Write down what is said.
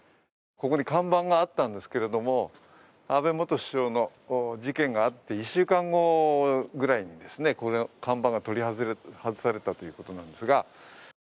ここに看板があったんですけれども、安倍元首相の事件があって、１週間後ぐらいにこの看板が取り外されたということなんですが。